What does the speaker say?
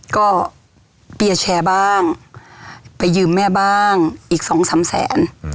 ก็เปียร์แชร์บ้างไปยืมแม่บ้างอีกสองสามแสน